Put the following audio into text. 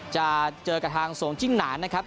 จะเจอกับทางสมจิ้งหนานนะครับ